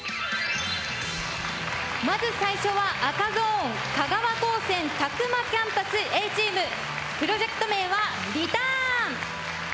まず最初は赤ゾーン香川高専詫間キャンパスＡチームプロジェクト名はＲｅｔｕｒｎ。